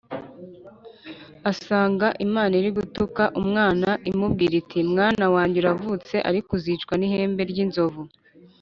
Asanga Imana iri mu gutuka umwana, imubwira iti: Mwana wanjye uravutse, ariko uzicwa n'ihembe ry' inzovu